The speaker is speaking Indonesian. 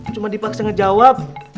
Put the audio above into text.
cuma dipaksa ngejawab